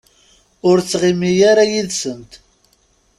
Ur ttɣimi ara yid-sent.